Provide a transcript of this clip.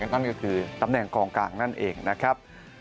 นั่นก็คือตำแหน่งกองกลางนั่นเองนะครับ